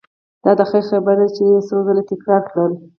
دا د خیر خبره یې څو ځل تکرار کړه.